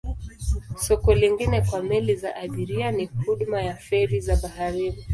Soko lingine kwa meli za abiria ni huduma ya feri za baharini.